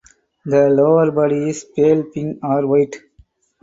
The lower body is pale pink or white.